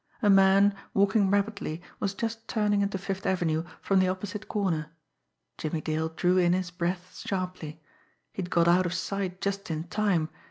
A man, walking rapidly, was just turning into Fifth Avenue from the opposite corner. Jimmie Dale drew in his breath sharply. He had got out of sight just in time.